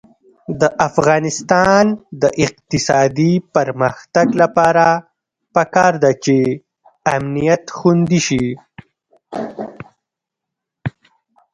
د افغانستان د اقتصادي پرمختګ لپاره پکار ده چې امنیت خوندي شي.